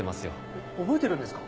えっ覚えてるんですか？